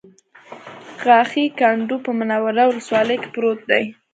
غاښی کنډو په منوره ولسوالۍ کې پروت دی